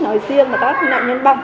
nói riêng mà tất cả những nạn nhân bỏng